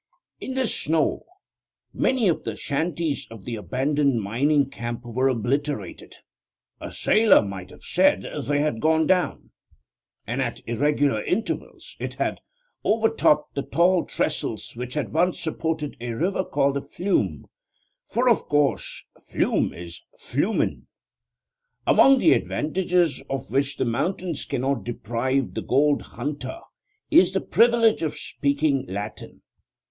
In this snow many of the shanties of the abandoned mining camp were obliterated (a sailor might have said they had gone down), and at irregular intervals it had overtopped the tall trestles which had once supported a river called a flume; for, of course, 'flume' is flumen. Among the advantages of which the mountains cannot deprive the gold hunter is the privilege of speaking Latin.